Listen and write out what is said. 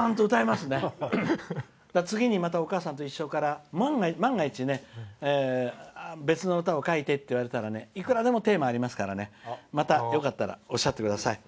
また、次に「おかあさんといっしょ」から万が一ね、別の歌を書いてっていわれたらいくらでもテーマありますからまた、よかったらおっしゃってください。